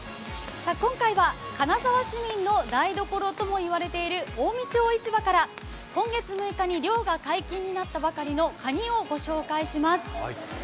今回は金沢市民の台所ともいわれている近江町市場から今月６日に漁が解禁となったばかりのかにをご紹介します。